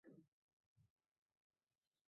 এখানে আসুন, গল্প করি।